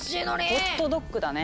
ホットドッグだね。